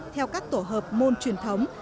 theo các tổ hợp môn truyền thống